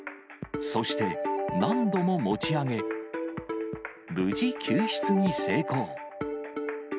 そして、何度も持ち上げ、無事、救出に成功。